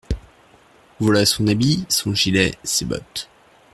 Voilà son habit, son gilet, ses bottes…